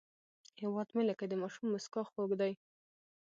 هیواد مې لکه د ماشوم موسکا خوږ دی